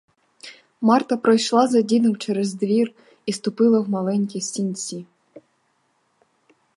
Марта пройшла за дідом через двір і ступила в маленькі сінці.